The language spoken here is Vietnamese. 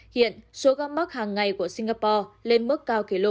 hiện số ca mắc hàng ngày của singapore lên mức cao kỷ lục